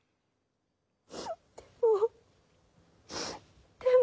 でもでも！